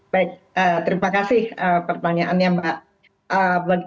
baik terima kasih pertanyaannya mbak